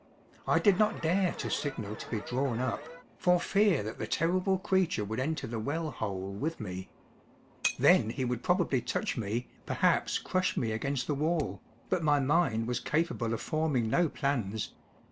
I did not dare to signal to be drawn up, for fear that the terrible creature would enter the well hole with me. Then he would probably touch me, perhaps crush me against the wall, but my mind was capable of forming no plans.